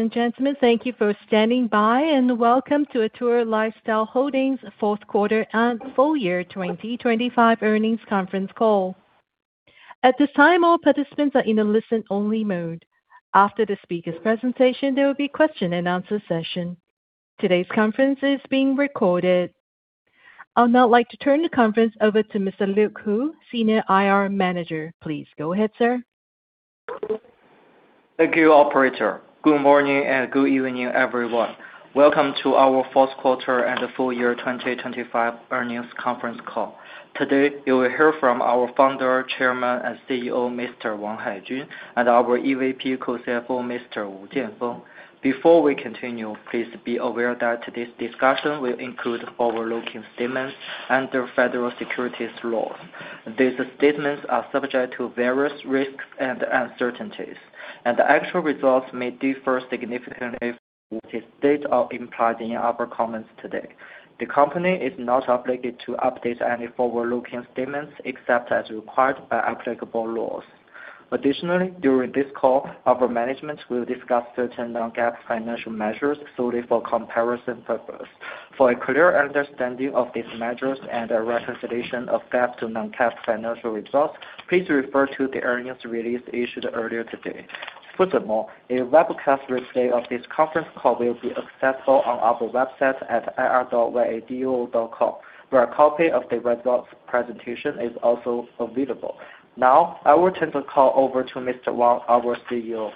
Ladies and gentlemen, thank you for standing by, and welcome to Atour Lifestyle Holdings Fourth Quarter and Full Year 2025 Earnings Conference Call. At this time, all participants are in a listen only mode. After the speaker's presentation, there will be question and answer session. Today's conference is being recorded. I would now like to turn the conference over to Mr. Luke Hu, Senior IR Manager. Please go ahead, sir. Thank you, operator. Good morning and good evening, everyone. Welcome to our fourth quarter and full year 2025 earnings conference call. Today you will hear from our Founder, Chairman, and CEO, Mr. Wang Haijun, and our EVP, Co-CFO, Mr. Jianfeng Wu. Before we continue, please be aware that today's discussion will include forward-looking statements under Federal Securities Law. These statements are subject to various risks and uncertainties, and actual results may differ significantly from what is stated or implied in our comments today. The company is not obligated to update any forward-looking statements except as required by applicable laws. Additionally, during this call, our management will discuss certain non-GAAP financial measures solely for comparison purpose. For a clear understanding of these measures and a reconciliation of GAAP to non-GAAP financial results, please refer to the earnings release issued earlier today. Furthermore, a webcast replay of this conference call will be accessible on our website at ir@yaduo.com, where a copy of the results presentation is also available. Now I will turn the call over to Mr. Wang, our CEO.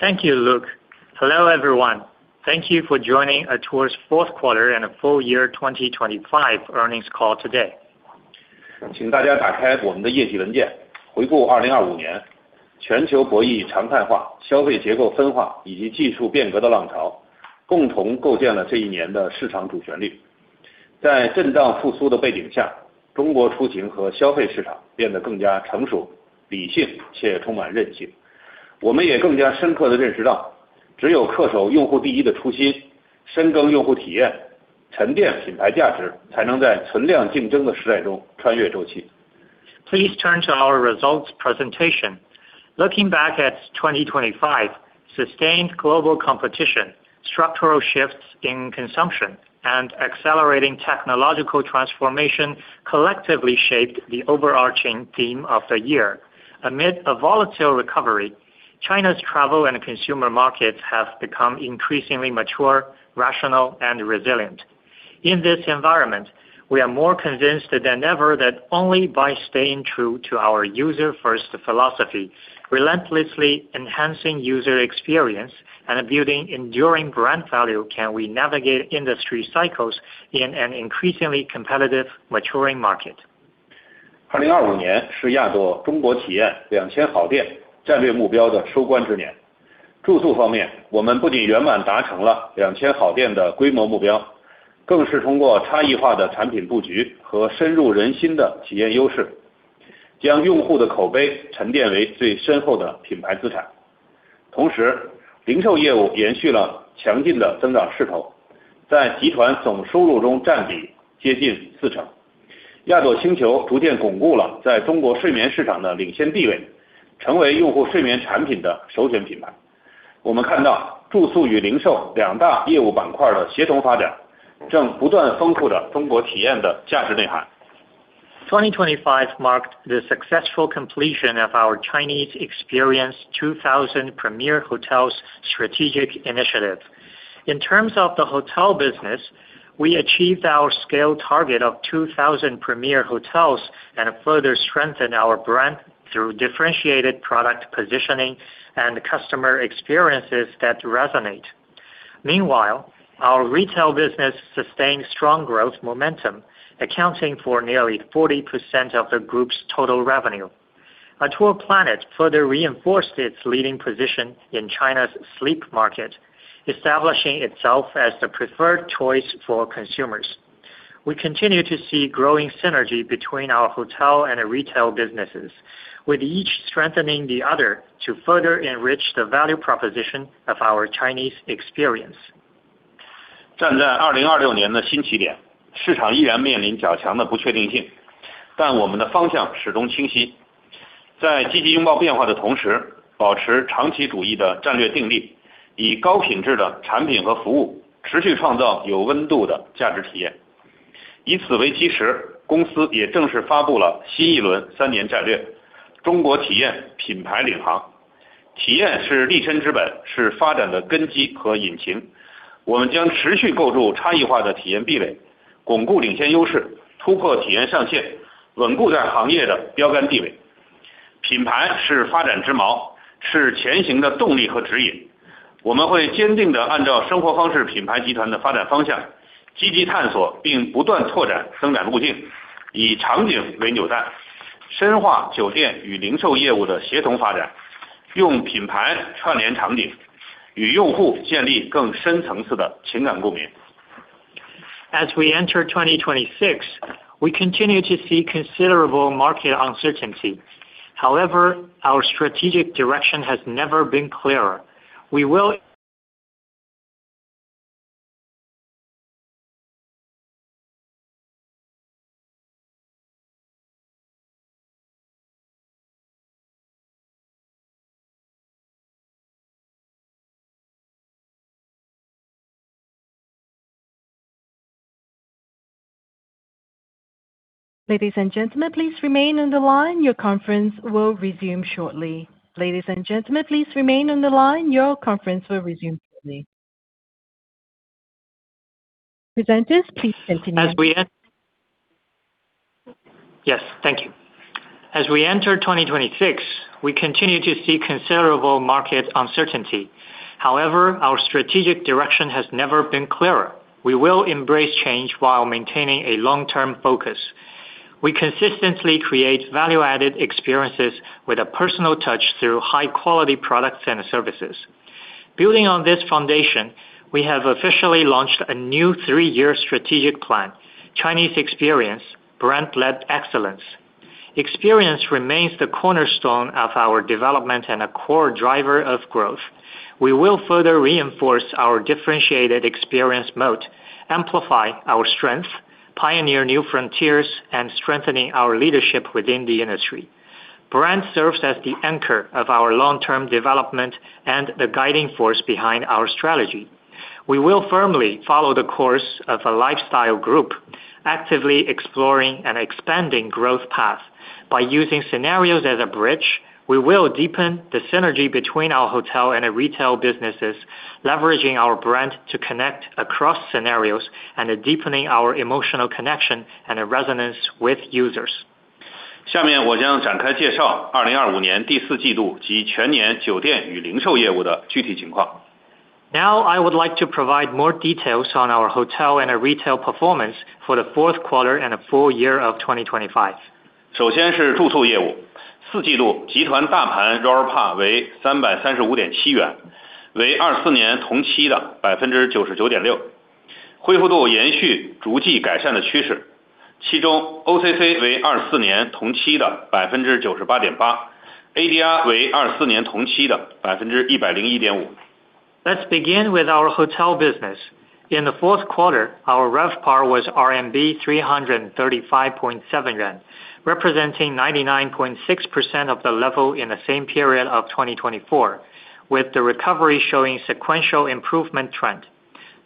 Thank you, Luke. Hello, everyone. Thank you for joining Atour's fourth quarter and full year 2025 earnings call today. Please turn to our results presentation. Looking back at 2025, sustained global competition, structural shifts in consumption, and accelerating technological transformation collectively shaped the overarching theme of the year. Amid a volatile recovery, China's travel and consumer markets have become increasingly mature, rational, and resilient. In this environment, we are more convinced than ever that only by staying true to our user first philosophy, relentlessly enhancing user experience, and building enduring brand value can we navigate industry cycles in an increasingly competitive, maturing market. 2025 marked the successful completion of our Chinese Experience, 2,000 Premier Hotels strategic initiative. In terms of the hotel business, we achieved our scale target of 2,000 Premier Hotels and further strengthened our brand through differentiated product positioning and customer experiences that resonate. Meanwhile, our retail business sustained strong growth momentum, accounting for nearly 40% of the group's total revenue. Atour Planet further reinforced its leading position in China's sleep market, establishing itself as the preferred choice for consumers. We continue to see growing synergy between our hotel and retail businesses, with each strengthening the other to further enrich the value proposition of our Chinese Experience. As we enter 2026, we continue to see considerable market uncertainty. However, our strategic direction has never been clearer. We will Ladies and gentlemen, please remain on the line. Your conference will resume shortly. Ladies and gentlemen, please remain on the line. Your conference will resume shortly. Presenters, please continue. Yes, thank you. As we enter 2026, we continue to see considerable market uncertainty. However, our strategic direction has never been clearer. We will embrace change while maintaining a long-term focus. We consistently create value-added experiences with a personal touch through high-quality products and services. Building on this foundation, we have officially launched a new three-year strategic plan, Chinese Experience, Brand-Led Excellence. Experience remains the cornerstone of our development and a core driver of growth. We will further reinforce our differentiated experience mode, amplify our strength, pioneer new frontiers, and strengthening our leadership within the industry. Brand serves as the anchor of our long-term development and the guiding force behind our strategy. We will firmly follow the course of a lifestyle group, actively exploring and expanding growth path. By using scenarios as a bridge, we will deepen the synergy between our hotel and our retail businesses, leveraging our brand to connect across scenarios and deepening our emotional connection and a resonance with users. Now, I would like to provide more details on our hotel and our retail performance for the fourth quarter and the full year of 2025. Let's begin with our hotel business. In the fourth quarter, our RevPAR was 335.7 yuan, representing 99.6% of the level in the same period of 2024, with the recovery showing sequential improvement trend.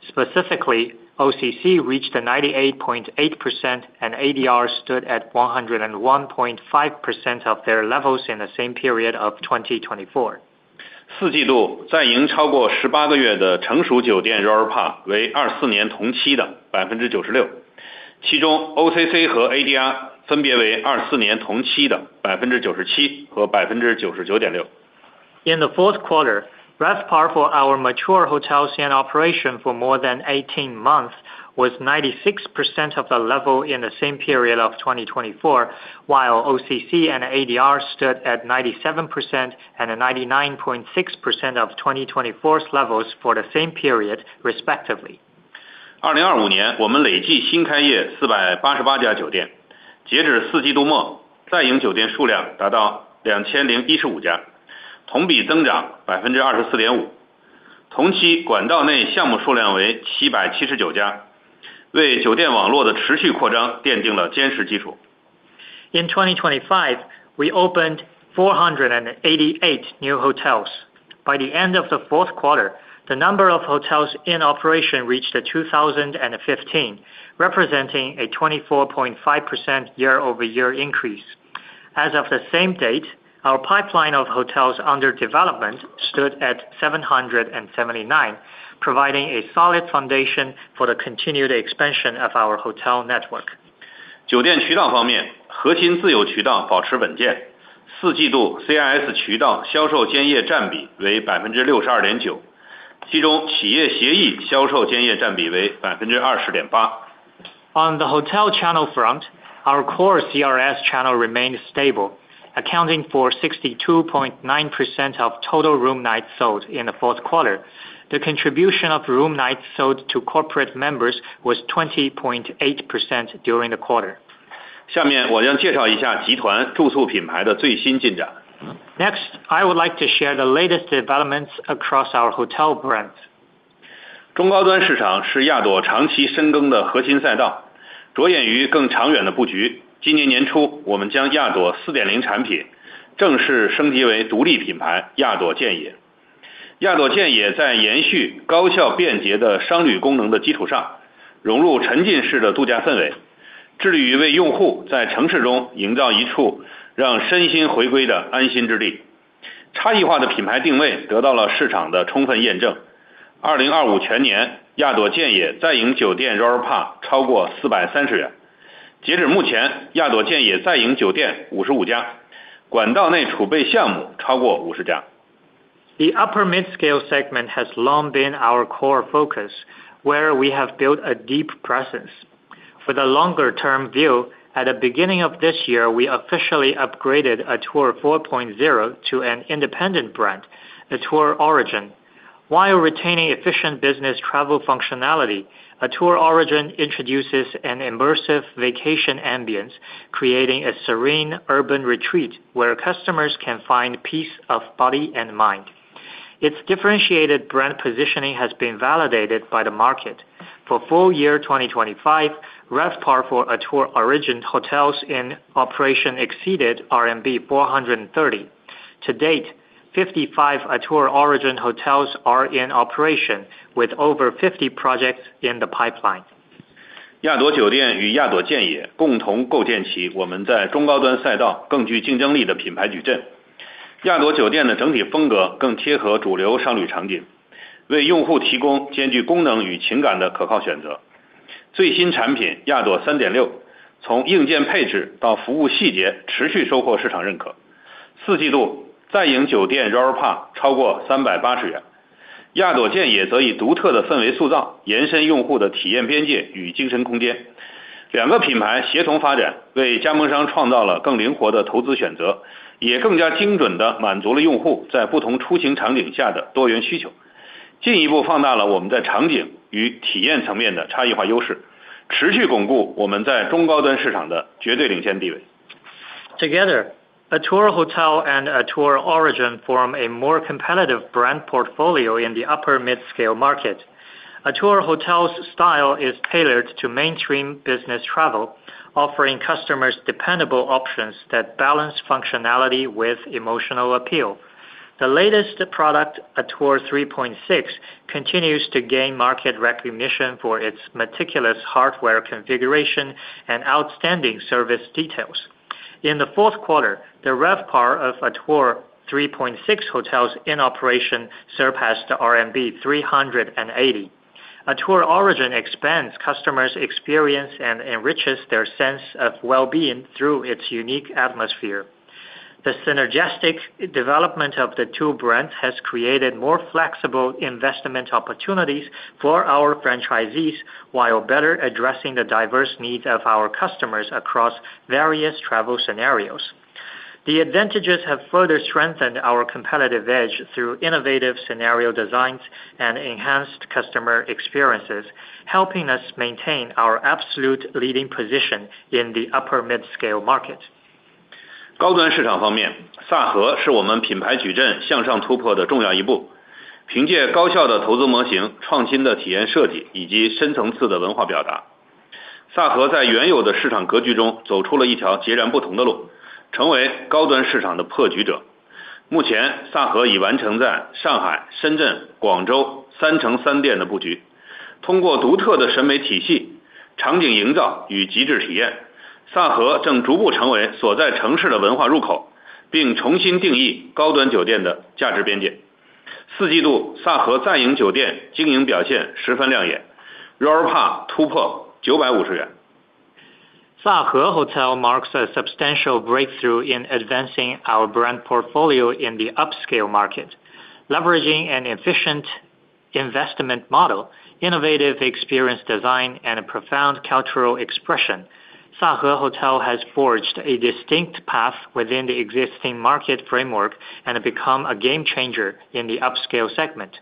Specifically, OCC reached the 98.8% and ADR stood at 101.5% of their levels in the same period of 2024. In the fourth quarter, RevPAR for our mature hotels in operation for more than 18 months was 96% of the level in the same period of 2024, while OCC and ADR stood at 97% and a 99.6% of 2024's levels for the same period, respectively. In 2025, we opened 488 new hotels. By the end of the fourth quarter, the number of hotels in operation reached 2,015, representing a 24.5% year-over-year increase. As of the same date, our pipeline of hotels under development stood at 779, providing a solid foundation for the continued expansion of our hotel network. On the hotel channel front, our core CRS channel remained stable, accounting for 62.9% of total room nights sold in the fourth quarter. The contribution of room nights sold to corporate members was 20.8% during the quarter. Next, I would like to share the latest developments across our hotel brands. The upper mid-scale segment has long been our core focus, where we have built a deep presence. For the longer term view, at the beginning of this year, we officially upgraded Atour 4.0 to an independent brand, Atour Origin. While retaining efficient business travel functionality, Atour Origin introduces an immersive vacation ambience, creating a serene urban retreat where customers can find peace of body and mind. Its differentiated brand positioning has been validated by the market. For full year 2025, RevPAR for Atour Origin hotels in operation exceeded RMB 430. To-date, 55 Atour Origin hotels are in operation, with over 50 projects in the pipeline. Together, Atour Hotel and Atour Origin form a more competitive brand portfolio in the upper mid-scale market. Atour Hotel's style is tailored to mainstream business travel, offering customers dependable options that balance functionality with emotional appeal. The latest product, Atour 3.6, continues to gain market recognition for its meticulous hardware configuration and outstanding service details. In the fourth quarter, the RevPAR of Atour 3.6 hotels in operation surpassed RMB 380. Atour Origin expands customers' experience and enriches their sense of wellbeing through its unique atmosphere. The synergistic development of the two brands has created more flexible investment opportunities for our franchisees, while better addressing the diverse needs of our customers across various travel scenarios. The advantages have further strengthened our competitive edge through innovative scenario designs and enhanced customer experiences, helping us maintain our absolute leading position in the upper mid-scale market. SAVHE Hotel marks a substantial breakthrough in advancing our brand portfolio in the upscale market. Leveraging an efficient investment model, innovative experience design, and a profound cultural expression, SAVHE Hotel has forged a distinct path within the existing market framework and become a game changer in the upscale segment.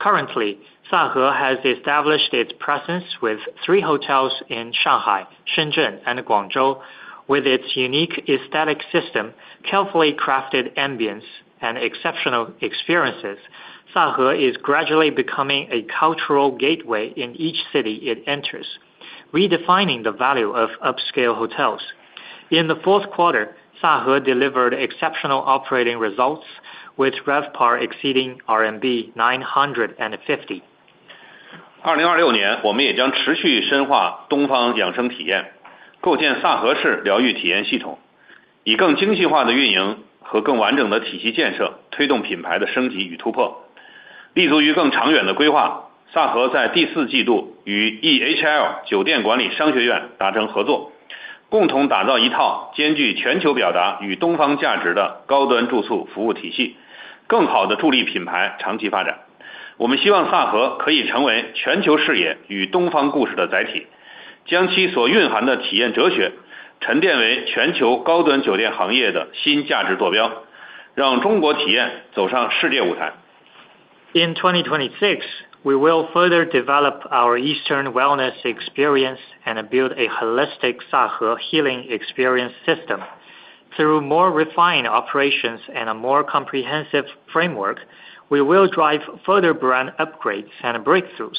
Currently, SAVHE has established its presence with three hotels in Shanghai, Shenzhen, and Guangzhou. With its unique aesthetic system, carefully crafted ambience, and exceptional experiences, SAVHE is gradually becoming a cultural gateway in each city it enters, redefining the value of upscale hotels. In the fourth quarter, SAVHE delivered exceptional operating results, with RevPAR exceeding 950. 2026年，我们也将持续深化东方养生体验，构建萨和式疗愈体验系统，以更精细化的运营和更完整的体系建设，推动品牌的升级与突破。立足于更长远的规划，萨和在第四季度与EHL酒店管理商学院达成合作，共同打造一套兼具全球表达与东方价值的高端住宿服务体系，更好地助力品牌长期发展。我们希望萨和可以成为全球视野与东方故事的载体，将其所蕴含的体验哲学沉淀为全球高端酒店行业的新价值坐标，让中国体验走上世界舞台。In 2026, we will further develop our Eastern wellness experience and build a holistic SAVHE healing experience system. Through more refined operations and a more comprehensive framework, we will drive further brand upgrades and breakthroughs.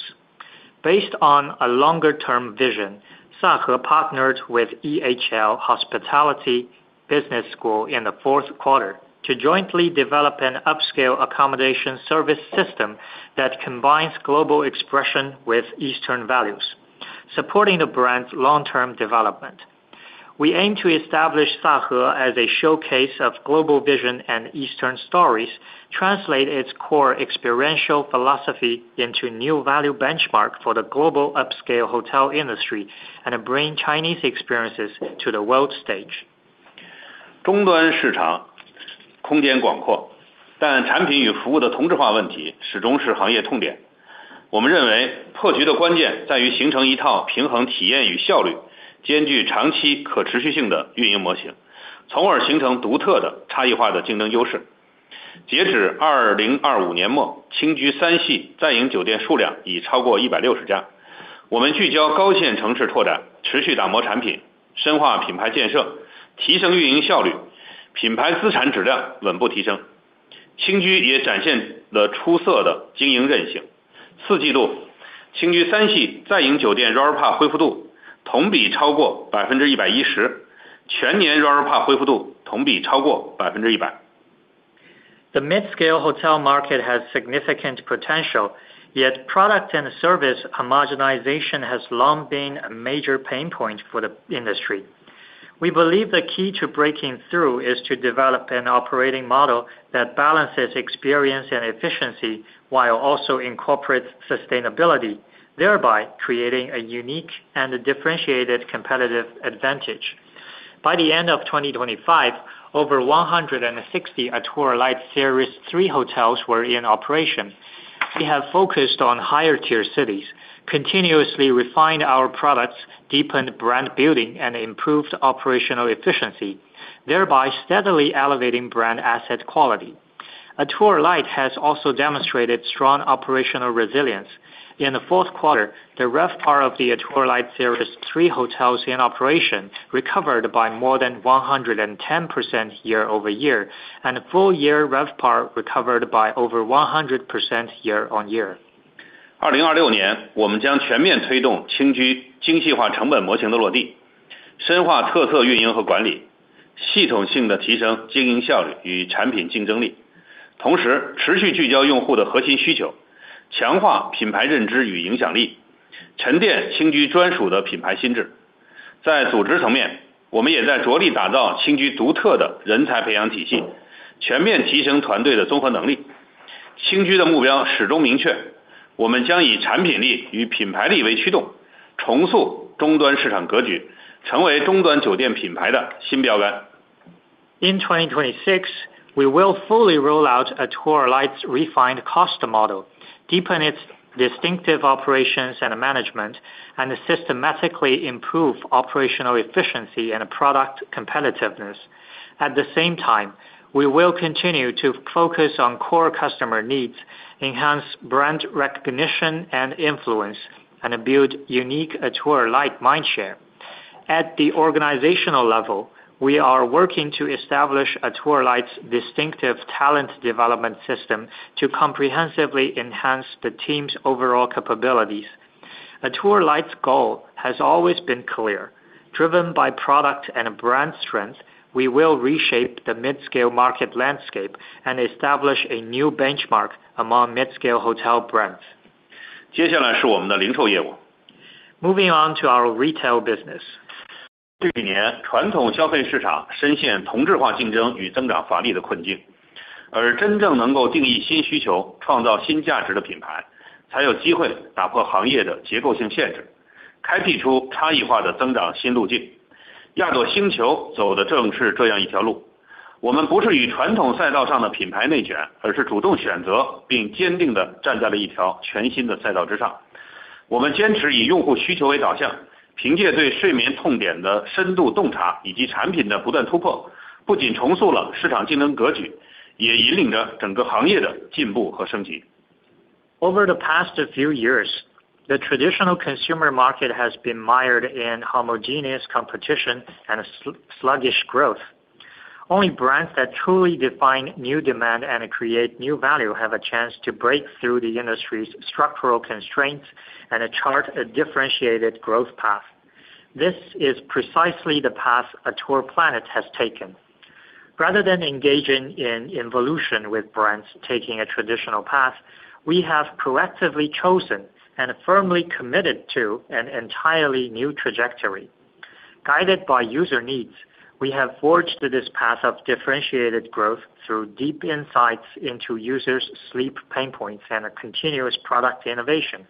Based on a longer term vision, SAVHE partnered with EHL Hospitality Business School in the fourth quarter to jointly develop an upscale accommodation service system that combines global expression with Eastern values, supporting the brand's long term development. We aim to establish SAVHE as a showcase of global vision and Eastern stories, translate its core experiential philosophy into new value benchmark for the global upscale hotel industry, and bring Chinese experiences to the world stage. The midscale hotel market has significant potential, yet product and service homogenization has long been a major pain point for the industry. We believe the key to breaking through is to develop an operating model that balances experience and efficiency while also incorporates sustainability, thereby creating a unique and differentiated competitive advantage. By the end of 2025, over 160 Atour Light series three hotels were in operation. We have focused on higher-tier cities, continuously refined our products, deepened brand building, and improved operational efficiency, thereby steadily elevating brand asset quality. Atour Light has also demonstrated strong operational resilience. In the fourth quarter, the RevPAR of the Atour Light series three hotels in operation recovered by more than 110% year-over-year, and full-year RevPAR recovered by over 100% year-on-year. 2026年，我们将全面推动轻居精细化成本模型的落地，深化特色运营和管理，系统性地提升经营效率与产品竞争力，同时持续聚焦用户的核心需求，强化品牌认知与影响力，沉淀轻居专属的品牌心智。在组织层面，我们也在着力打造轻居独特的人才培养体系，全面提升团队的综合能力。轻居的目标始终明确，我们将以产品力与品牌力为驱动，重塑中端市场格局，成为中端酒店品牌的新标杆。In 2026, we will fully roll out Atour Light's refined cost model, deepen its distinctive operations and management, and systematically improve operational efficiency and product competitiveness. At the same time, we will continue to focus on core customer needs, enhance brand recognition and influence, and build unique Atour Light mindshare. At the organizational level, we are working to establish Atour Light's distinctive talent development system to comprehensively enhance the team's overall capabilities. Atour Light's goal has always been clear: driven by product and brand strength, we will reshape the midscale market landscape and establish a new benchmark among midscale hotel brands. 接下来是我们的零售业务。Moving on to our retail business. Over the past few years, the traditional consumer market has been mired in homogeneous competition and sluggish growth. Only brands that truly define new demand and create new value have a chance to break through the industry's structural constraints and chart a differentiated growth path. This is precisely the path Atour Planet has taken. Rather than engaging in involution with brands taking a traditional path, we have proactively chosen and firmly committed to an entirely new trajectory. Guided by user needs, we have forged this path of differentiated growth through deep insights into users' sleep pain points and a continuous product innovation.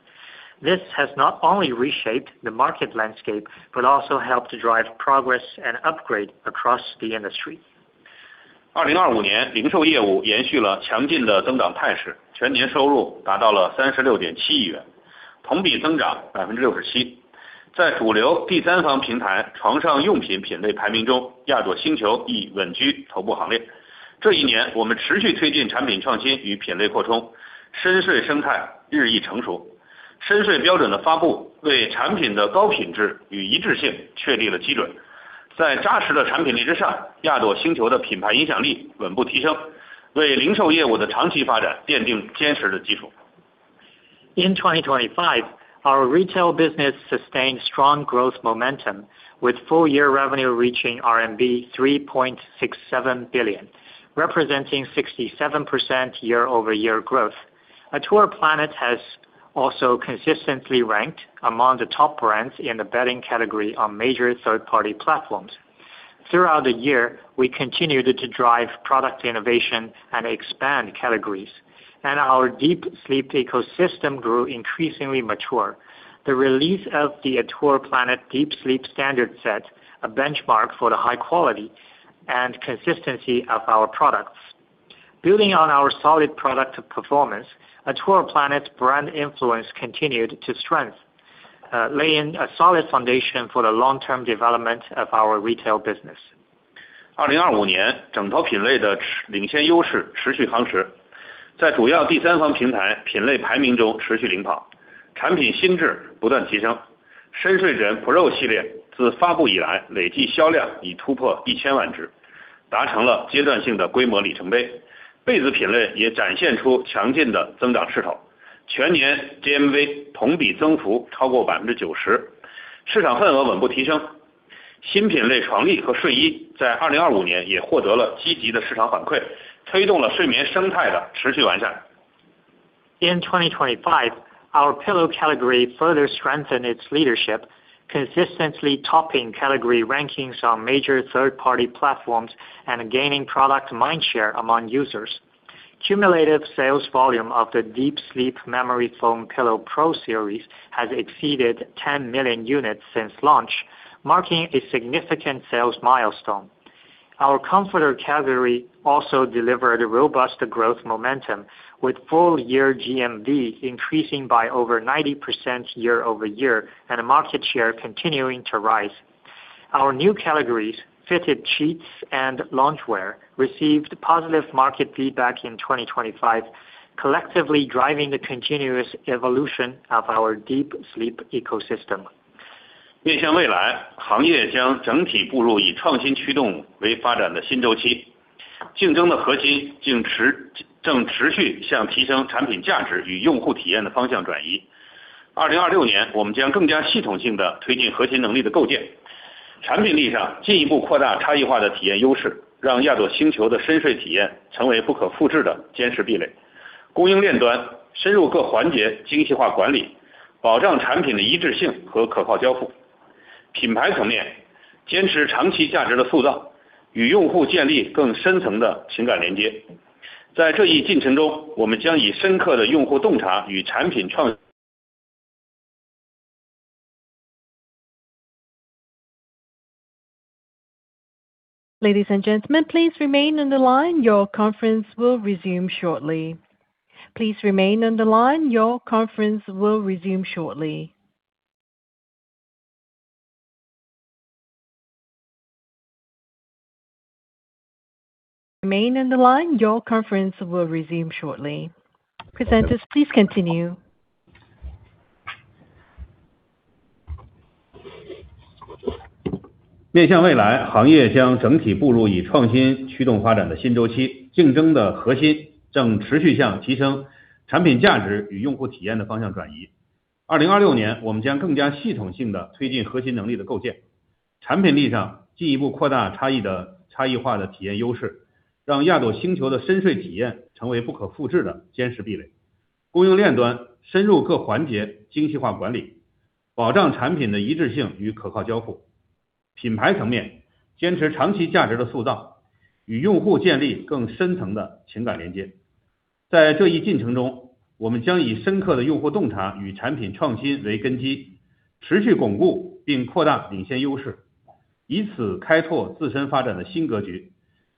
This has not only reshaped the market landscape, but also helped drive progress and upgrade across the industry. 2025年，零售业务延续了强劲的增长态势，全年收入达到了36.7亿元，同比增长67%。在主流第三方平台床上用品品类排名中，亚朵星球已稳居头部行列。这一年，我们持续推进产品创新与品类扩充，深睡生态日益成熟。深睡标准的发布，为产品的高品质与一致性确立了基准。在扎实的产品力之上，亚朵星球的品牌影响力稳步提升，为零售业务的长期发展奠定坚实的基础。In 2025, our retail business sustained strong growth momentum with full year revenue reaching RMB 3.67 billion, representing 67% year-over-year growth. Atour Planet has also consistently ranked among the top brands in the bedding category on major third party platforms. Throughout the year, we continued to drive product innovation and expand categories, and our deep sleep ecosystem grew increasingly mature. The release of the Atour Planet Deep Sleep Standard set a benchmark for the high quality and consistency of our products. Building on our solid product performance, Atour Planet brand influence continued to strengthen, laying a solid foundation for the long-term development of our retail business. In 2025, our pillow category further strengthened its leadership, consistently topping category rankings on major third-party platforms and gaining product mindshare among users. Cumulative sales volume of the Atour Planet Deep Sleep Memory Foam Pillow Pro has exceeded 10 million units since launch, marking a significant sales milestone. Our comforter category also delivered a robust growth momentum, with full year GMV increasing by over 90% year-over-year and market share continuing to rise. Our new categories, fitted sheets and loungewear, received positive market feedback in 2025, collectively driving the continuous evolution of our deep sleep ecosystem. Ladies and gentlemen, please remain on the line. Your conference will resume shortly. Please remain on the line. Your conference will resume shortly. Remain on the line. Your conference will resume shortly. Presenters, please continue.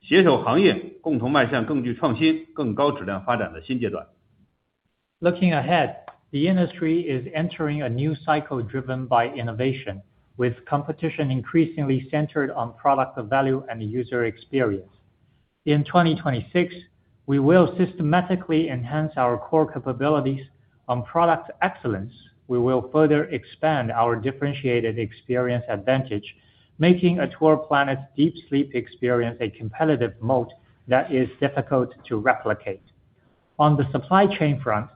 Looking ahead, the industry is entering a new cycle driven by innovation, with competition increasingly centered on product value and user experience. In 2026, we will systematically enhance our core capabilities. On product excellence, we will further expand our differentiated experience advantage, making an Atour Planet Deep Sleep experience a competitive moat that is difficult to replicate. On the supply chain front,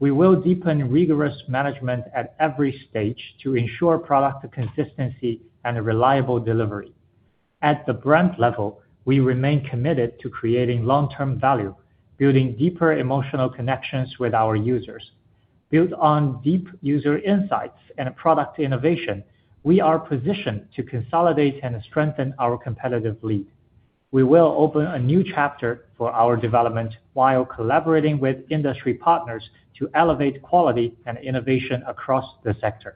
we will deepen rigorous management at every stage to ensure product consistency and reliable delivery. At the brand level, we remain committed to creating long-term value, building deeper emotional connections with our users. Built on deep user insights and product innovation, we are positioned to consolidate and strengthen our competitive lead. We will open a new chapter for our development while collaborating with industry partners to elevate quality and innovation across the sector.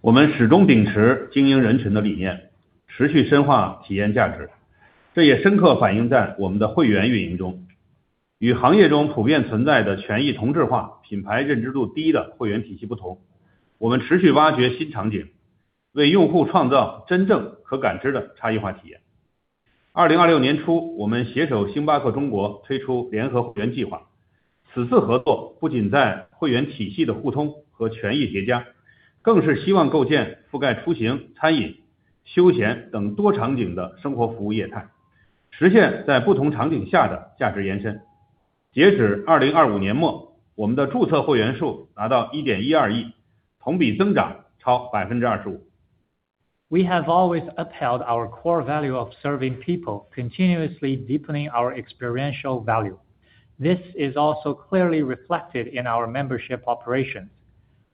我们始终秉持经营人群的理念，持续深化体验价值，这也深刻反映在我们的会员运营中。与行业中普遍存在的权益同质化、品牌认知度低的会员体系不同，我们持续挖掘新场景，为用户创造真正可感知的差异化体验。2026年初，我们携手星巴克中国推出联合会员计划。此次合作不仅在会员体系的互通和权益叠加，更是希望构建覆盖出行、餐饮、休闲等多场景的生活服务业态，实现在不同场景下的价值延伸。截止2025年末，我们的注册会员数达到1.12亿，同比增长超25%。We have always upheld our core value of serving people, continuously deepening our experiential value. This is also clearly reflected in our membership operations.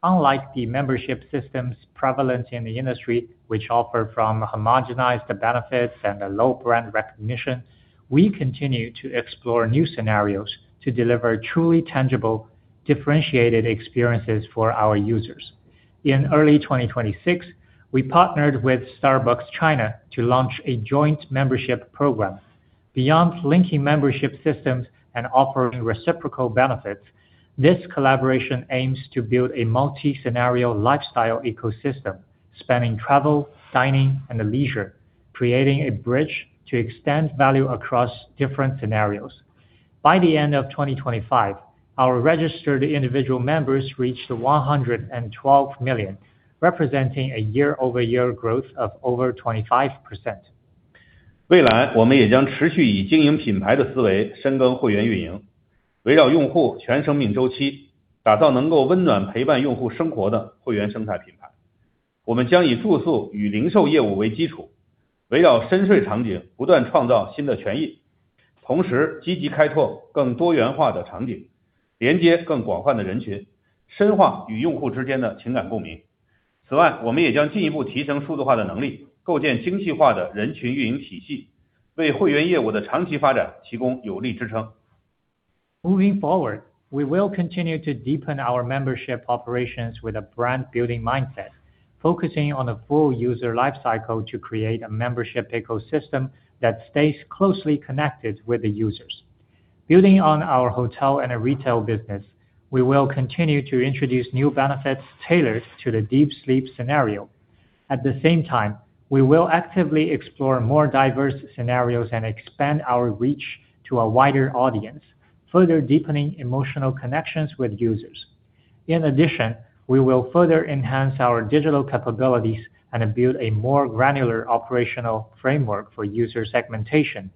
Unlike the membership systems prevalent in the industry, which suffer from homogenized benefits and a low brand recognition, we continue to explore new scenarios to deliver truly tangible, differentiated experiences for our users. In early 2026, we partnered with Starbucks China to launch a joint membership program. Beyond linking membership systems and offering reciprocal benefits, this collaboration aims to build a multi-scenario lifestyle ecosystem, spanning travel, dining, and leisure, creating a bridge to extend value across different scenarios. By the end of 2025, our registered individual members reached 112 million, representing a year-over-year growth of over 25%. Moving forward, we will continue to deepen our membership operations with a brand building mindset, focusing on the full user life cycle to create a membership ecosystem that stays closely connected with the users. Building on our hotel and retail business, we will continue to introduce new benefits tailored to the deep sleep scenario. At the same time, we will actively explore more diverse scenarios and expand our reach to a wider audience, further deepening emotional connections with users. In addition, we will further enhance our digital capabilities and build a more granular operational framework for user segmentation,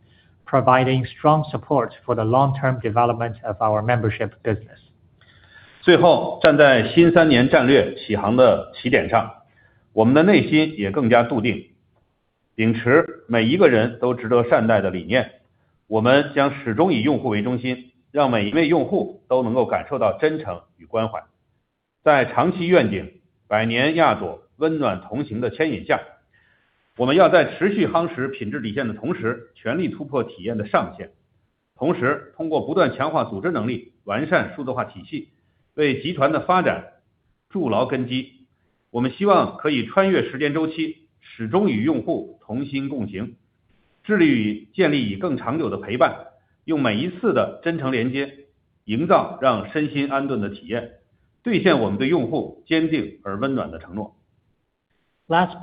providing strong support for the long term development of our membership business. Last but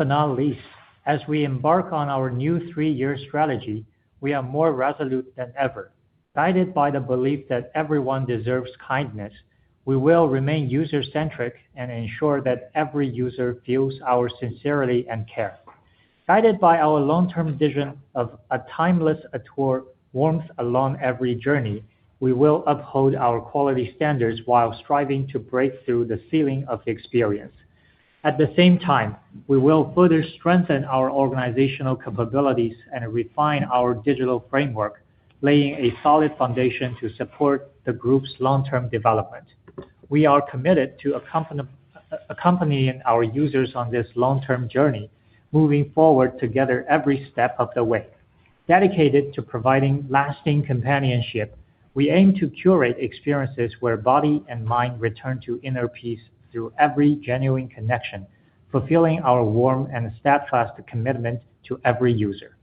not least, as we embark on our new three-year strategy, we are more resolute than ever. Guided by the belief that everyone deserves kindness, we will remain user-centric and ensure that every user feels our sincerity and care. Guided by our long-term vision of a timeless Atour warmth along every journey, we will uphold our quality standards while striving to break through the ceiling of experience. At the same time, we will further strengthen our organizational capabilities and refine our digital framework, laying a solid foundation to support the group's long-term development. We are committed to accompanying our users on this long-term journey, moving forward together every step of the way. Dedicated to providing lasting companionship, we aim to curate experiences where body and mind return to inner peace through every genuine connection, fulfilling our warm and steadfast commitment to every user.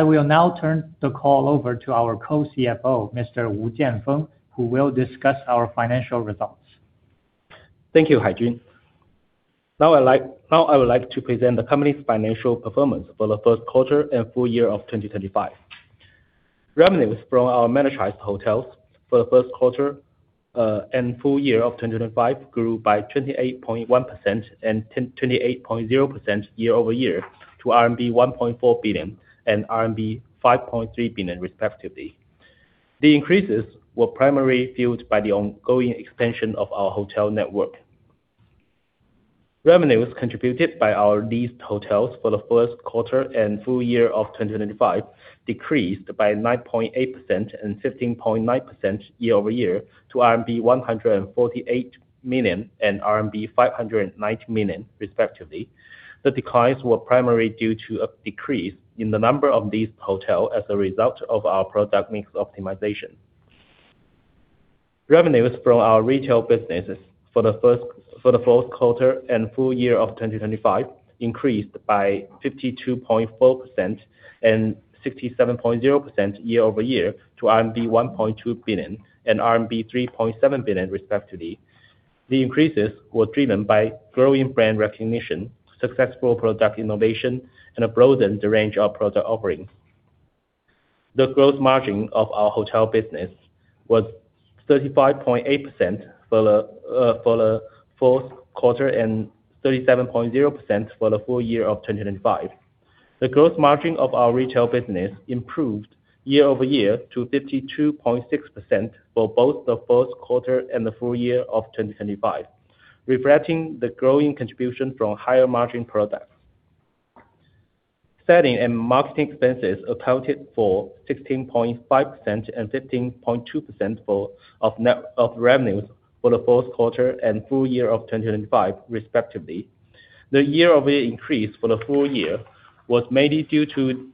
I will now turn the call over to our Co-CFO, Mr. Jianfeng Wu, who will discuss our financial results. Thank you, Haijun. Now, I would like to present the company's financial performance for the first quarter and full year of 2025. Revenues from our managed hotels for the first quarter and full year of 2025 grew by 28.1% and 28.0% year-over-year to RMB 1.4 billion and RMB 5.3 billion respectively. The increases were primarily fueled by the ongoing expansion of our hotel network. Revenues contributed by our leased hotels for the first quarter and full year of 2025 decreased by 9.8% and 15.9% year-over-year to RMB 148 million and RMB 590 million respectively. The declines were primarily due to a decrease in the number of these hotels as a result of our product mix optimization. Revenues from our retail businesses for the fourth quarter and full year of 2025 increased by 52.4% and 67.0% year-over-year to RMB 1.2 billion and RMB 3.7 billion respectively. The increases were driven by growing brand recognition, successful product innovation, and a broadened range of product offerings. The gross margin of our hotel business was 35.8% for the fourth quarter and 37.0% for the full year of 2025. The gross margin of our retail business improved year-over-year to 52.6% for both the fourth quarter and the full year of 2025, reflecting the growing contribution from higher margin products. Selling and marketing expenses accounted for 16.5% and 15.2% of net revenues for the fourth quarter and full year of 2025, respectively. The year-over-year increase for the full year was mainly due to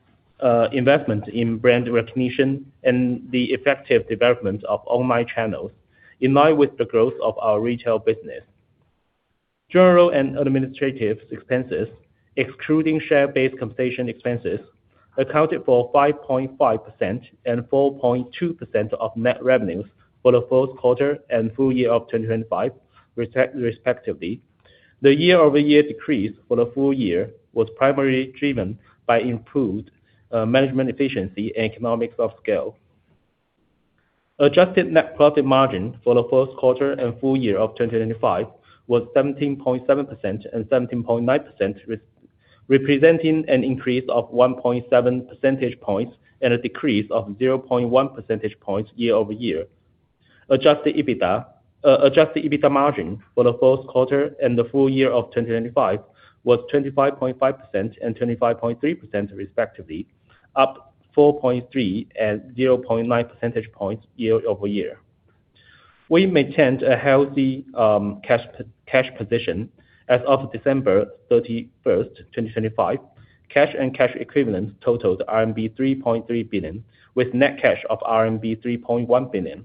investment in brand recognition and the effective development of online channels, in line with the growth of our retail business. General and administrative expenses excluding share-based compensation expenses accounted for 5.5% and 4.2% of net revenues for the fourth quarter and full year of 2025, respectively. The year-over-year decrease for the full year was primarily driven by improved management efficiency and economies of scale. Adjusted net profit margin for the first quarter and full year of 2025 was 17.7% and 17.9%, representing an increase of 1.7 percentage points and a decrease of 0.1 percentage points year-over-year. Adjusted EBITDA margin for the fourth quarter and the full year of 2025 was 25.5% and 25.3%, respectively, up 4.3 and 0.9 percentage points year-over-year. We maintained a healthy cash position. As of December 31st, 2025, cash and cash equivalents totaled RMB 3.3 billion, with net cash of RMB 3.1 billion.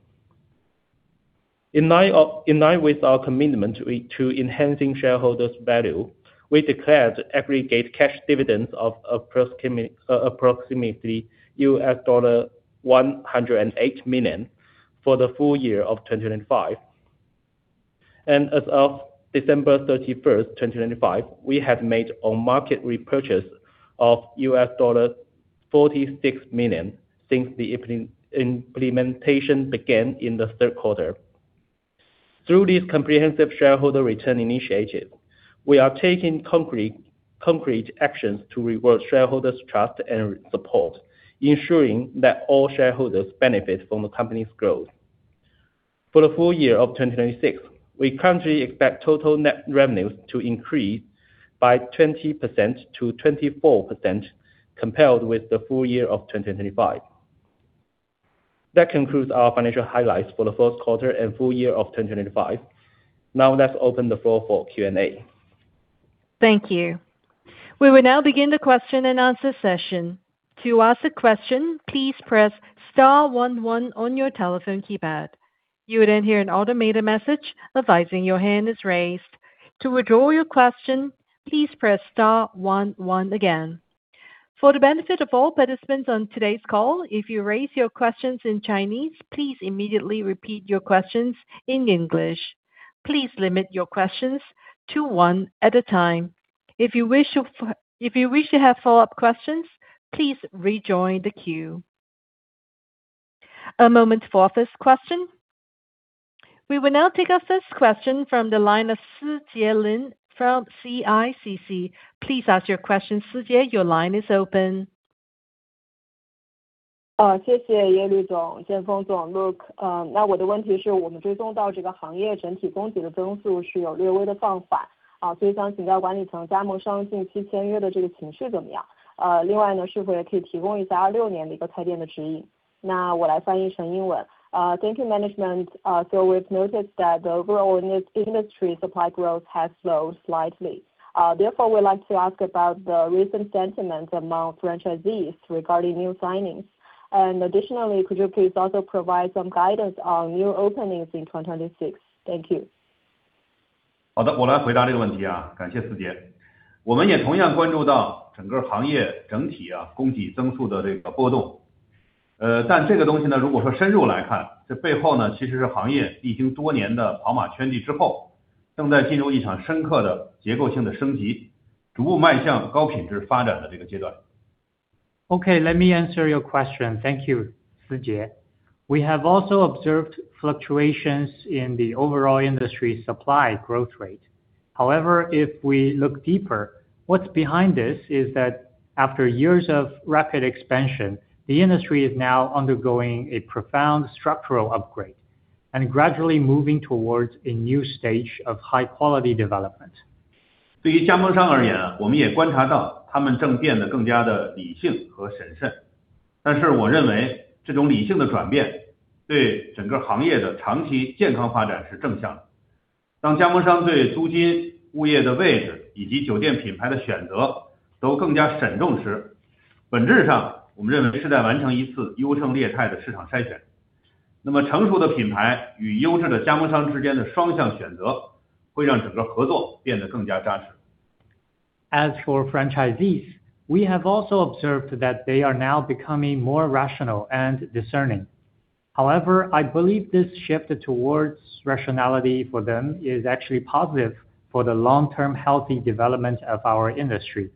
In line with our commitment to enhancing shareholders value, we declared aggregate cash dividends of approximately $108 million for the full year of 2025. As of December 31st, 2025, we have made open market repurchase of $46 million since the implementation began in the third quarter. Through this comprehensive shareholder return initiative, we are taking concrete actions to reward shareholders trust and support, ensuring that all shareholders benefit from the company's growth. For the full year of 2026, we currently expect total net revenues to increase by 20%-24% compared with the full year of 2025. That concludes our financial highlights for the first quarter and full year of 2025. Now let's open the floor for Q&A. Thank you. We will now begin the question and answer session. To ask a question, please press star one one on your telephone keypad. You will then hear an automated message advising your hand is raised. To withdraw your question, please press star one one again. For the benefit of all participants on today's call, if you raise your questions in Chinese, please immediately repeat your questions in English. Please limit your questions to one at a time. If you wish to have follow-up questions, please rejoin the queue. A moment for first question. We will now take our first question from the line of Sijie Lin from CICC. Please ask your question, Sijie, your line is open. Thank you, management. We've noticed that the overall industry supply growth has slowed slightly. Therefore, we'd like to ask about the recent sentiments among franchisees regarding new signings. Additionally, could you please also provide some guidance on new openings in 2026? Thank you. Okay, let me answer your question. Thank you, Sije. We have also observed fluctuations in the overall industry supply growth rate. However, if we look deeper, what's behind this is that after years of rapid expansion, the industry is now undergoing a profound structural upgrade and gradually moving towards a new stage of high quality development. As for franchisees, we have also observed that they are now becoming more rational and discerning. However, I believe this shift towards rationality for them is actually positive for the long-term healthy development of our industry.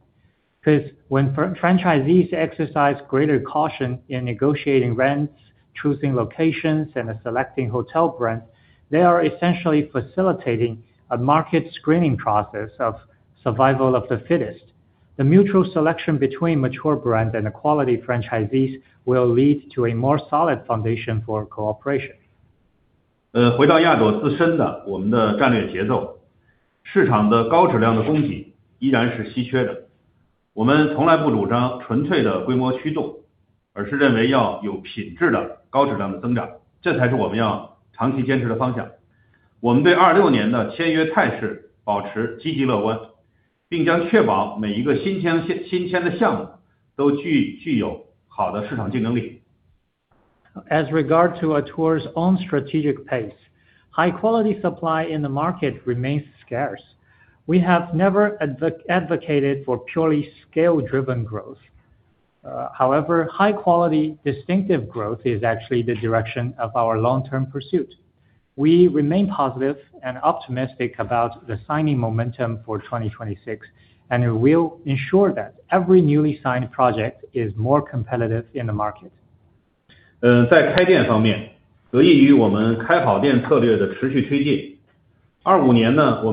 'Cause when franchisees exercise greater caution in negotiating rents, choosing locations, and selecting hotel brands, they are essentially facilitating a market screening process of survival of the fittest. The mutual selection between mature brands and the quality franchisees will lead to a more solid foundation for cooperation. 而是认为要有品质的高质量的增长，这才是我们要长期坚持的方向。我们对2026年的签约态势保持积极乐观，并将确保每一个新签的项目都具有好的市场竞争力。As regards Atour's own strategic pace, high quality supply in the market remains scarce. We have never advocated for purely scale driven growth. However, high quality distinctive growth is actually the direction of our long term pursuit. We remain positive and optimistic about the signing momentum for 2026, and we will ensure that every newly signed project is more competitive in the market. 在开店方面，得益于我们开好店策略的持续推进，二五年我们新开业的酒店在区位上和物业品质上都有了非常显著的提升。二六年我们仍会坚持对质量的严格的要求，聚焦城市的核心商圈，在保证高品质的基础上，实现与去年一致的开业的规模。In terms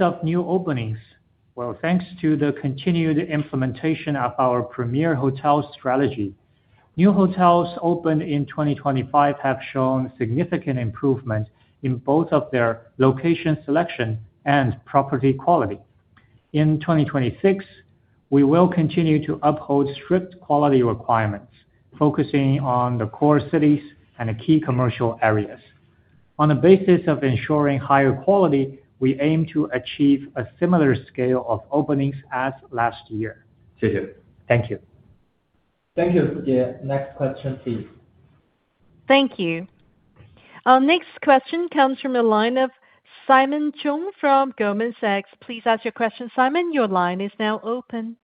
of new openings, well, thanks to the continued implementation of our premier hotel strategy, new hotels opened in 2025 have shown significant improvement in both of their location selection and property quality. In 2026, we will continue to uphold strict quality requirements, focusing on the core cities and key commercial areas. On the basis of ensuring higher quality, we aim to achieve a similar scale of openings as last year. 谢谢。Thank you. Thank you. Next question please. Thank you. Our next question comes from the line of Simon Cheung from Goldman Sachs. Please ask your question. Simon, your line is now open.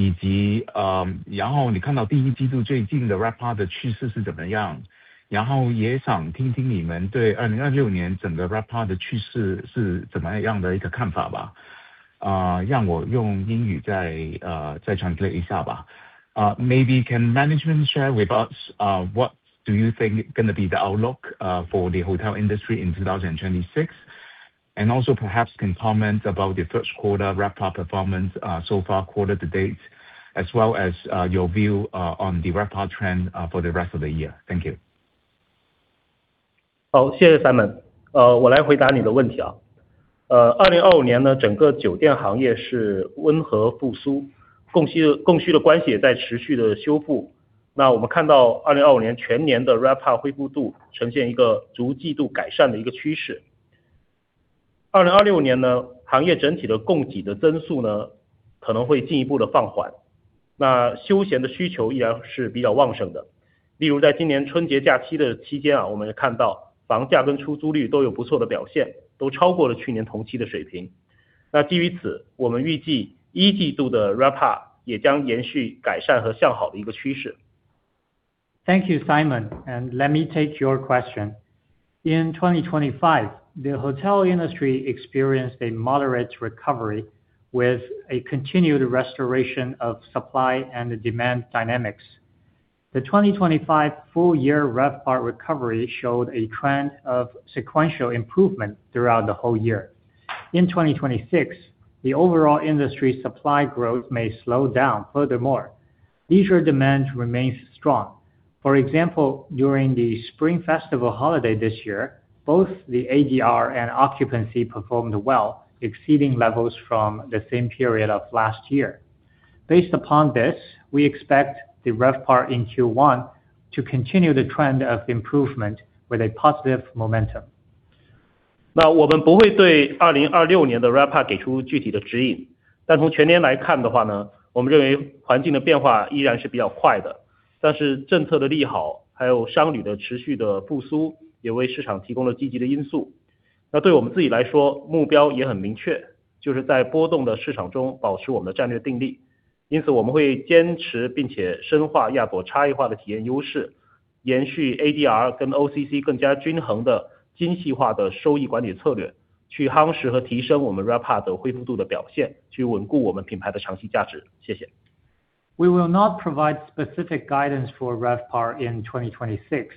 好的，谢谢，谢谢王总吴总，跟Luke刚才的分享。我想追问，就是2026年你们对整个酒店市场的展望，以及，然后你看到第一季度最近的RevPAR的趋势是怎么样的？然后也想听听你们对2026年整个RevPAR的趋势是怎么样的一个看法吧。让我用英语再translate一下吧。Maybe management can share with us what do you think gonna be the outlook for the hotel industry in 2026? Also perhaps can comment about the first quarter RevPAR performance so far quarter to-date, as well as your view on the RevPAR trend for the rest of the year. Thank you. 好，谢谢Simon。二零二五年呢，整个酒店行业是温和复苏，供需的关系也在持续地修复。那我们看到二零二五年全年的RevPAR恢复度呈现一个逐季度改善的趋势。二零二六年呢，行业整体的供给的增速呢，可能会进一步的放缓，那休闲的需求依然是比较旺盛的。例如在今年Spring Festival假期的期间啊，我们就看到房价跟出租率都有不错的表现，都超过了去年同期的水平。那基于此，我们预计一季度的RevPAR也将延续改善和向好的趋势。Thank you Simon. Let me take your question. In 2025, the hotel industry experienced a moderate recovery with a continued restoration of supply and the demand dynamics. The 2025 full year RevPAR recovery showed a trend of sequential improvement throughout the whole year. In 2026, the overall industry supply growth may slow down. Furthermore, leisure demand remains strong. For example, during the Spring Festival holiday this year, both the ADR and occupancy performed well, exceeding levels from the same period of last year. Based upon this, we expect the RevPAR in Q1 to continue the trend of improvement with a positive momentum. 那我们不会对2026年的RevPAR给出具体的指引。但从全年来看的话，我们认为环境的变化依然是比较快的，但是政策的利好，还有商旅的持续的复苏，也为市场提供了积极的因素。那对我们自己来说，目标也很明确，就是在波动的市场中保持我们的战略定力。因此我们会坚持并且深化亚朵差异化的体验优势，延续ADR跟OCC更加均衡的精细化的收益管理策略，去夯实和提升我们RevPAR的恢复度的表现，去稳固我们品牌的长期价值。谢谢。We will not provide specific guidance for RevPAR in 2026,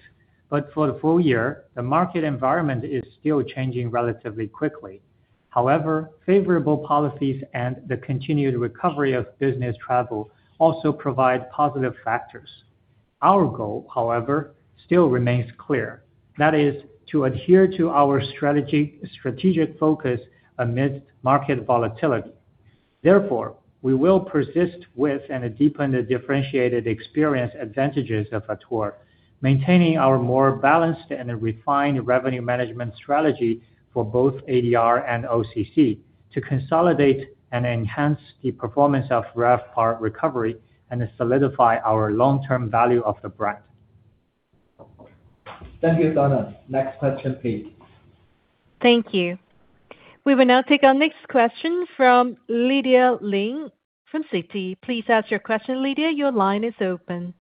but for the full year, the market environment is still changing relatively quickly. However, favorable policies and the continued recovery of business travel also provide positive factors. Our goal, however, still remains clear, that is to adhere to our strategy, strategic focus amidst market volatility. Therefore, we will persist with and deepen the differentiated experience advantages of Atour, maintaining our more balanced and refined revenue management strategy for both ADR and OCC to consolidate and enhance the performance of RevPAR recovery and solidify our long-term value of the brand. Thank you Donald. Next question please. Thank you. We will now take our next question from Lydia Ling from Citi. Please ask your question, Lydia, your line is open.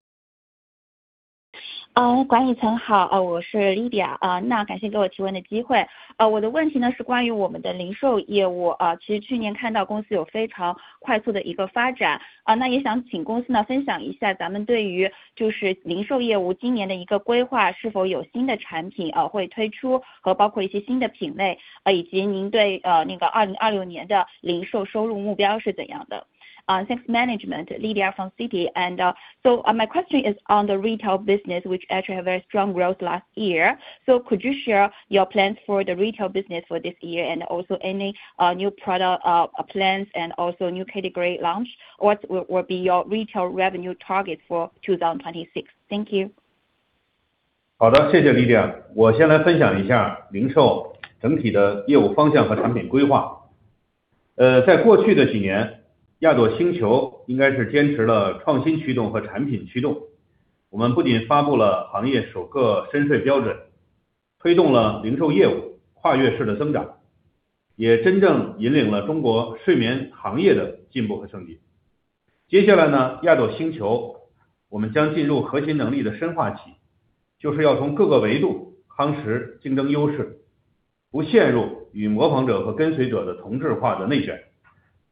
管理层好，我是Lydia。感谢给我提问的机会。我的问题呢，是关于我们的零售业务，其实去年看到公司有非常快速的一个发展，那也想请公司呢分享一下咱们对于就是零售业务今年的一个规划，是否有新的产品会推出，和包括一些新的品类，以及您对那个2026年的零售收入目标是怎样的。Thanks management, Lydia from Citi. My question is on the retail business, which actually have very strong growth last year. Could you share your plans for the retail business for this year and also any new product plans and also new category launch? What will be your retail revenue target for 2026? Thank you.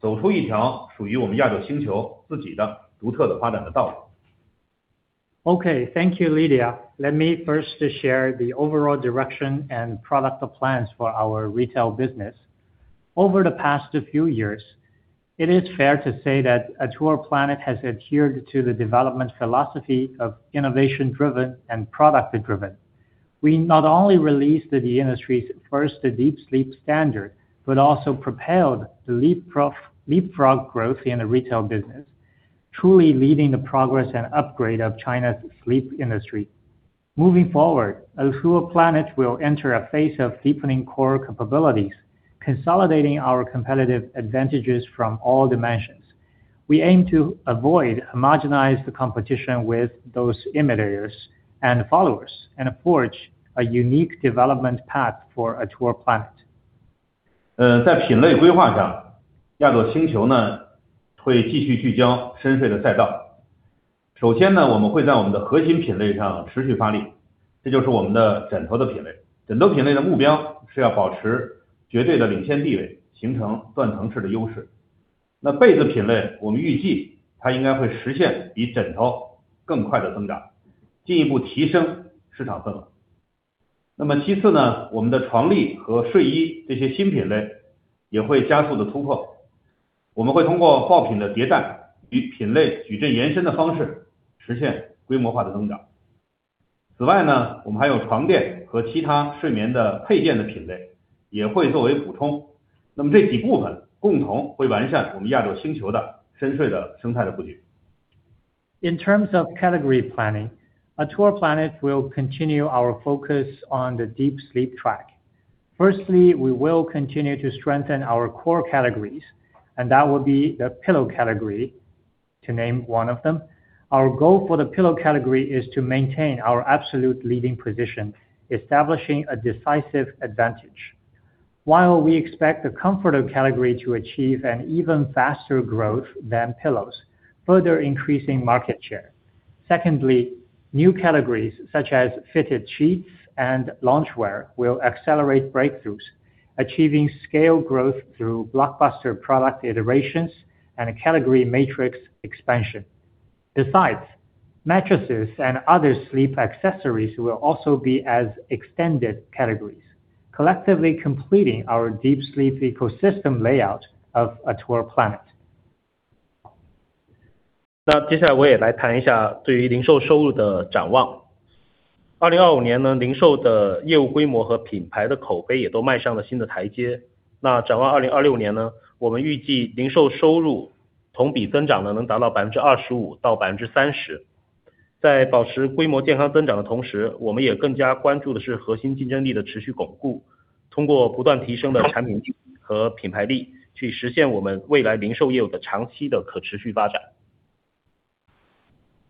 Okay, thank you, Lydia. Let me first share the overall direction and product plans for our retail business. Over the past few years, it is fair to say that our planet has adhered to the development philosophy of innovation driven and product driven. We not only released the industry's first deep sleep standard, but also propelled the leapfrog growth in the retail business. Truly leading the progress and upgrade of China's sleep industry. Moving forward, our planet will enter a phase of deepening core capabilities, consolidating our competitive advantages from all dimensions. We aim to avoid marginalized competition with those innovators and followers, and of course, a unique development path for Atour Planet.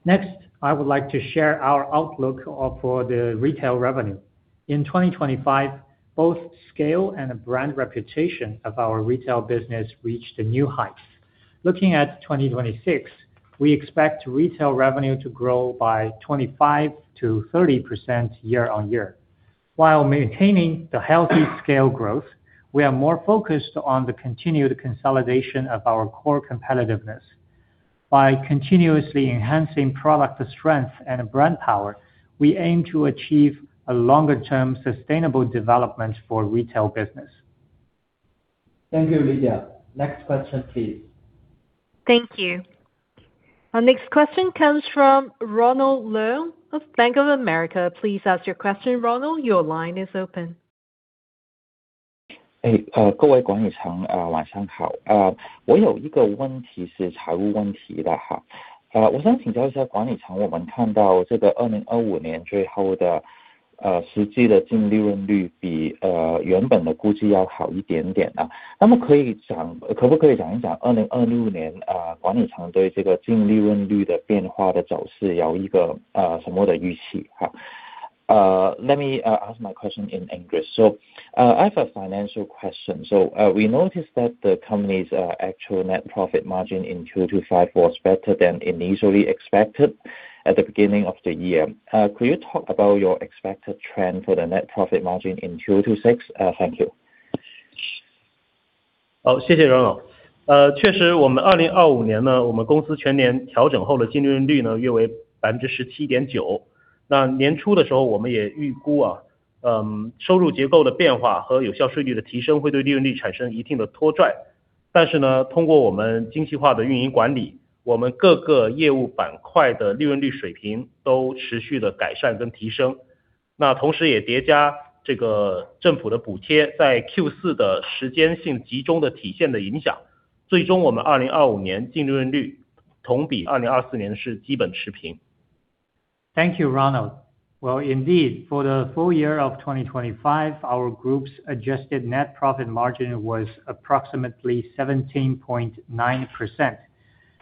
Next, I would like to share our outlook for the retail revenue. In 2025, both scale and brand reputation of our retail business reach the new heights. Looking at 2026, we expect retail revenue to grow by 25%-30% year-on-year. While maintaining the healthy scale growth, we are more focused on the continued consolidation of our core competitiveness by continuously enhancing product strength and brand power. We aim to achieve a longer-term sustainable development for retail business. Thank you, Lydia. Next question please. Thank you. Our next question comes from Ronald Leung of Bank of America. Please ask your question, Ronald. Your line is open. 各位管理层，晚上好，我有一个问题是财务问题的。我想请教一下管理层，我们看到这个2025年最后的实际的净利润率比原本的估计要好一点点。那么可不可以讲一讲2026年，管理层对这个净利润率的变化的走势有一个什么样的预期？Let me ask my question in English. I have a financial question. We noticed that the company's actual net profit margin in 2025 was better than initially expected at the beginning of the year. Could you talk about your expected trend for the net profit margin in 2026? Thank you. Thank you, Ronald. Well, indeed, for the full year of 2025, our group's adjusted net profit margin was approximately 17.9%.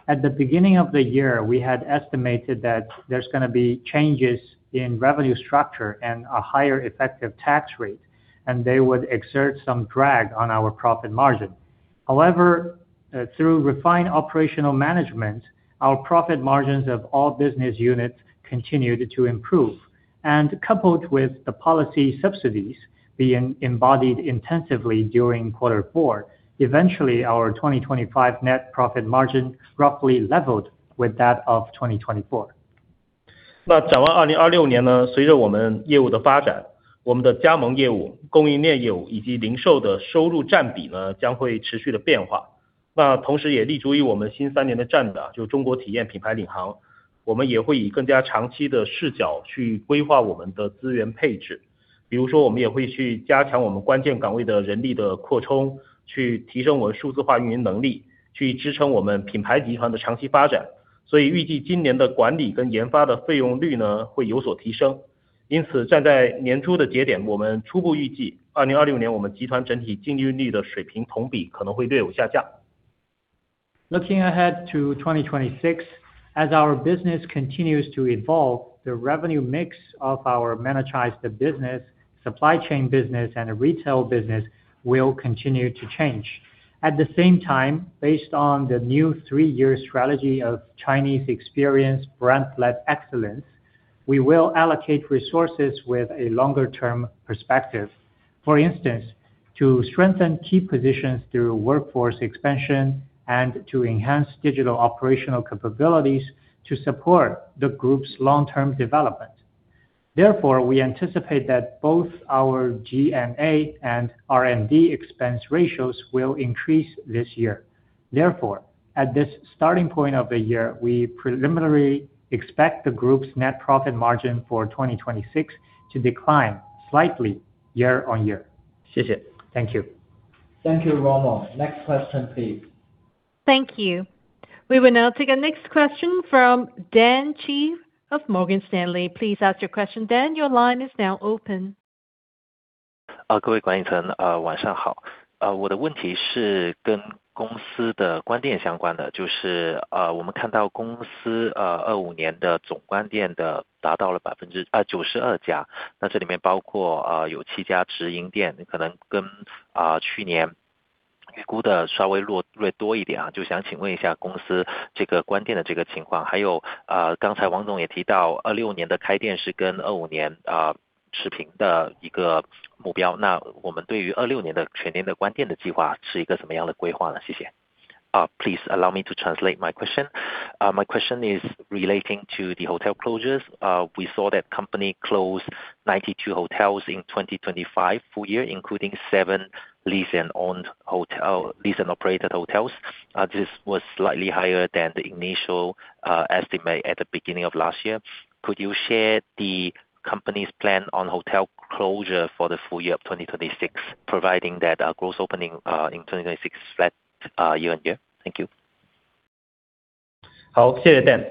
At the beginning of the year, we had estimated that there's gonna be changes in revenue structure and a higher effective tax rate, and they would exert some drag on our profit margin. However, through refined operational management, our profit margins of all business units continued to improve. Coupled with the policy subsidies being embodied intensively during quarter four, eventually our 2025 net profit margin roughly leveled with that of 2024. Looking ahead to 2026, as our business continues to evolve, the revenue mix of our monetized business, supply chain business and retail business will continue to change. At the same time, based on the new three-year strategy of Chinese Experience, Brand-Led Excellence, we will allocate resources with a longer term perspective. For instance, to strengthen key positions through workforce expansion and to enhance digital operational capabilities to support the group's long term development. Therefore, we anticipate that both our G&A and R&D expense ratios will increase this year. Therefore, at this starting point of the year, we preliminarily expect the group's net profit margin for 2026 to decline slightly year-on-year. Thank you. Thank you, Ronald. Next question, please. Thank you. We will now take our next question from Dan Qi of Morgan Stanley. Please ask your question, Dan, your line is now open. Please allow me to translate my question. My question is relating to the hotel closures. We saw that company closed 92 hotels in 2025 full year, including seven lease and owned hotels, lease operated hotels. This was slightly higher than the initial estimate at the beginning of last year. Could you share the company's plan on hotel closure for the full year of 2026, providing that our gross opening in 2026 flat year-on-year? Thank you. Thank you, Dan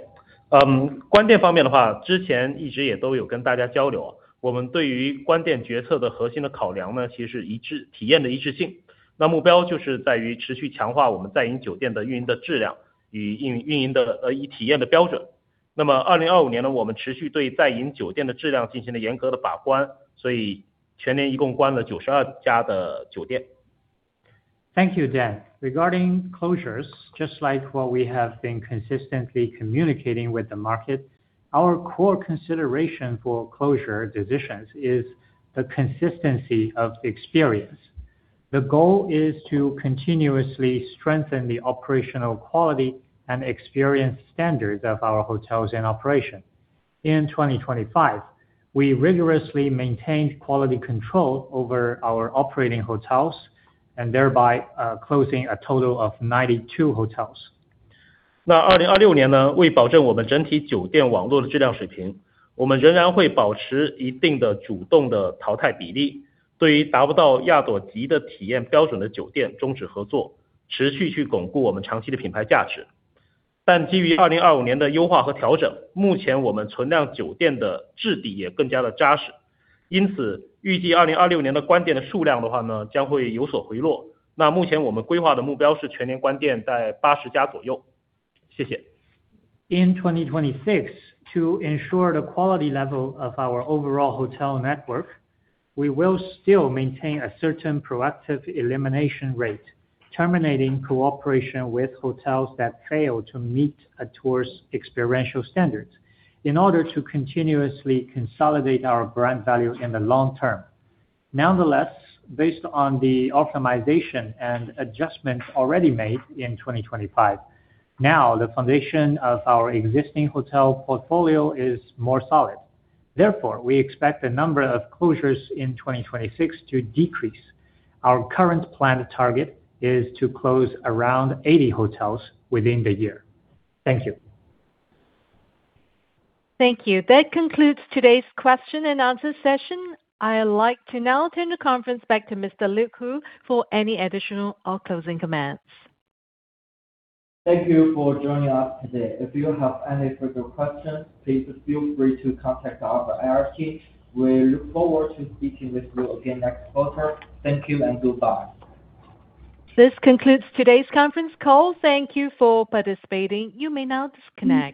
Qi. Regarding closures, just like what we have been consistently communicating with the market, our core consideration for closure decisions is the consistency of experience. The goal is to continuously strengthen the operational quality and experience standards of our hotels in operation. In 2025, we rigorously maintained quality control over our operating hotels and thereby closing a total of 92 hotels. In 2026, to ensure the quality level of our overall hotel network, we will still maintain a certain proactive elimination rate, terminating cooperation with hotels that fail to meet Atour's experiential standards in order to continuously consolidate our brand value in the long term. Nonetheless, based on the optimization and adjustments already made in 2025, now, the foundation of our existing hotel portfolio is more solid. Therefore, we expect the number of closures in 2026 to decrease. Our current planned target is to close around 80 hotels within the year. Thank you. Thank you. That concludes today's question and answer session. I'd like to now turn the conference back to Mr. Luke Hu for any additional or closing comments. Thank you for joining us today. If you have any further questions, please feel free to contact our IR team. We look forward to speaking with you again next quarter. Thank you and goodbye. This concludes today's conference call. Thank you for participating. You may now disconnect.